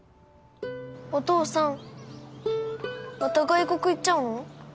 お父さんまた外国行っちゃうの？